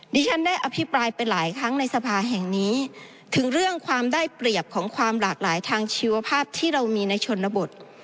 ดิฉันได้อภิปรายไปหลายครั้งในสภาแห่งนี้ถึงเรื่องความได้เปรียบของความหลากหลายทางชีวภาพที่เรามีในชนบท